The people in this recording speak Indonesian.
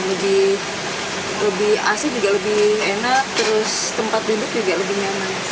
lebih asik juga lebih enak terus tempat duduk juga lebih nyaman